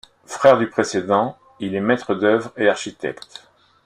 Frère du précédent, il est maître-d'œuvre et architecte.